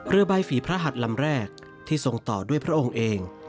เรือใบฝีพระหัดลำแรกที่ทรงต่อด้วยพระองค์เอง